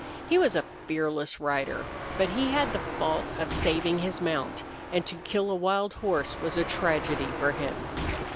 He was a fearless rider, but he had the fault of saving his mount, and to kill a wild horse was a tragedy for him.